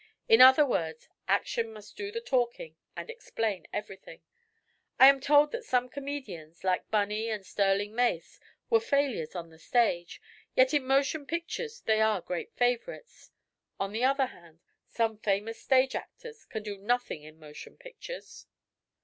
In other words, action must do the talking and explain everything. I am told that some comedians, like 'Bunny' and Sterling Mace, were failures on the stage, yet in motion pictures they are great favorites. On the other hand, some famous stage actors can do nothing in motion pictures."